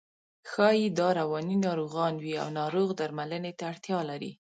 ښایي دا رواني ناروغان وي او ناروغ درملنې ته اړتیا لري.